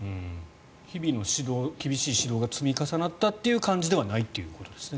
日々の厳しい指導が積み重なったという感じではないということですね。